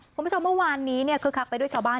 คุณผู้ชมเมื่อวานนี้คือขักไปด้วยชาวบ้าน